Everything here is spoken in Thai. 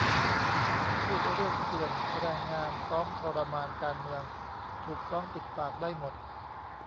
พูดเรื่องเขื่อน แรงงาน ซ้อมทรมาน การเมือง ถูก ฟ้องปิดปาก ได้หมด